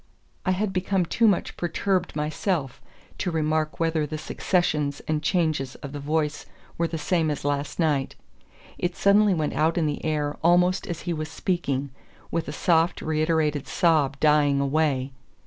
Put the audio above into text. I had become too much perturbed myself to remark whether the successions and changes of the voice were the same as last night. It suddenly went out in the air almost as he was speaking, with a soft reiterated sob dying away.